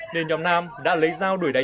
nên nhóm nam đã lấy dao đuổi đánh